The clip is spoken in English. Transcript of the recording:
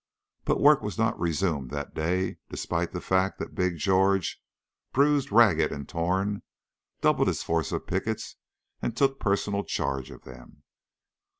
But work was not resumed that day, despite the fact that Big George, bruised, ragged, and torn, doubled his force of pickets and took personal charge of them.